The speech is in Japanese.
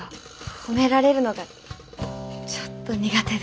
褒められるのがちょっと苦手で。